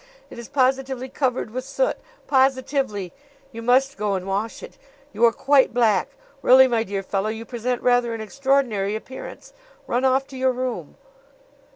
It is positively covered with soot positively! You must go and wash it. You are quite black. Really, my dear fellow, you present rather an extraordinary appearance. Run off to your room."